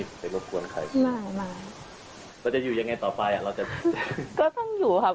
ไปรบกวนใครไม่ไม่เราจะอยู่ยังไงต่อไปอ่ะเราจะก็ต้องอยู่ครับ